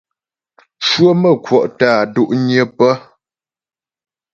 Cwəmə̌kwɔ' tə́ á do'nyə pə́.